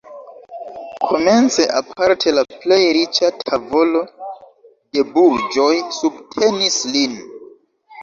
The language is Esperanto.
Komence aparte la plej riĉa tavolo de burĝoj subtenis lin.